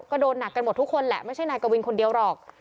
ก็โดนหนักกันหมดทุกคนแหละไม่ใช่นายกวินคนเดียวหรอก